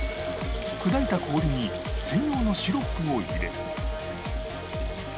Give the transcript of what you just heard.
砕いた氷に専用のシロップを入れ